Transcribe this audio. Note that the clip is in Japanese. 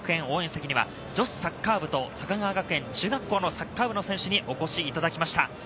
応援席には、女子サッカー部と高川学園中学校のサッカー部の選手にお越しいただきました。